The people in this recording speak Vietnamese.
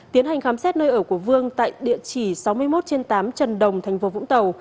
tiến hành khám xét nơi ở của vương tại địa chỉ sáu mươi một trên tám trần đồng thành phố vũng tàu